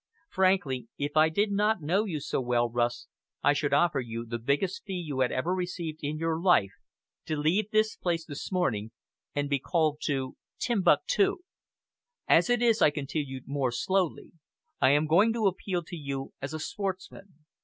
Frankly, if I did not know you so well, Rust, I should offer you the biggest fee you had ever received in your life, to leave the place this morning and be called to Timbuctoo. As it is," I continued more slowly, "I am going to appeal to you as a sportsman!